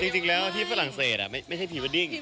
จริงแล้วที่ฝรั่งเศสไม่ใช่พรีเวดดิ้ง